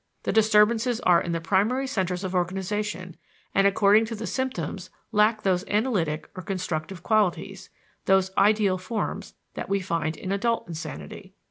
The disturbances are in the primary centers of organization and according to the symptoms lack those analytic or constructive qualities, those ideal forms, that we find in adult insanity.